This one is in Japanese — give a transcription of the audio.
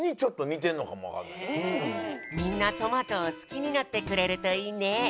みんなトマトを好きになってくれるといいね。